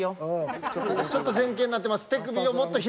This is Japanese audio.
ちょっと前傾になってます。